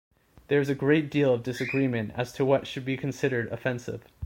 There is a great deal of disagreement as to what should be considered offensive.